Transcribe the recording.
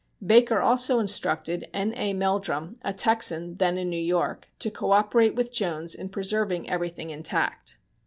Baker also instructed N. A. Meldrum, a Texan then in New York, to co operate with Jones in preserving everything intact.